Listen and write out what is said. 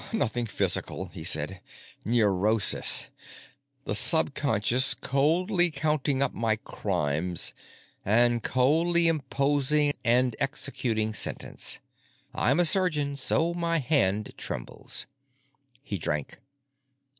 "Nothing physical," he said. "Neurosis. The subconscious coldly counting up my crimes and coldly imposing and executing sentence. I'm a surgeon, so my hand trembles." He drank.